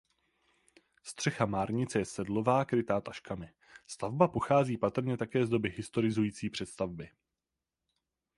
Střecha márnice je sedlová krytá taškami. Stavba pochází patrně také z doby historizující přestavby.